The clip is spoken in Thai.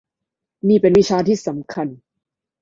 นี่เป็นวิชาที่สำคัญ